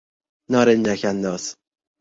نارنجکانداز